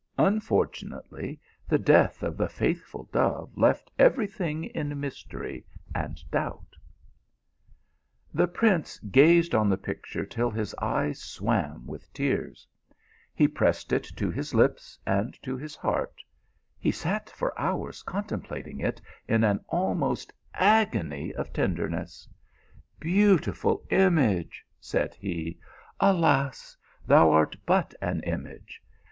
Unfortunately, the death of the faithful dove left every thing in mystery and doubt. THE PILGRIM OF LO VE. 201 The prince gazed on the picture till his eyes swam with tears. He pressed it to his lips and to his heart ; he sat for hours contemplating it in an almost agony of tenderness. " Beautiful image !" said he. " Alas, thou art but an image.